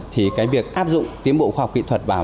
thì cái việc áp dụng tiến bộ khoa học kỹ thuật vào